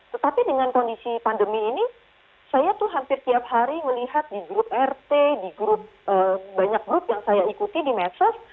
tetapi dengan kondisi pandemi ini saya tuh hampir tiap hari melihat di grup rt di grup banyak grup yang saya ikuti di medsos